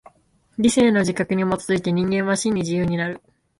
理性の自覚に基づいて人間は真に自由になる。